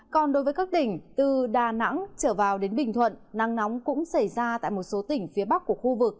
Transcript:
còn đối với các tỉnh từ đà nẵng trở vào đến bình thuận nắng nóng cũng xảy ra tại một số tỉnh phía bắc của khu vực